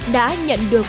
đã nhận được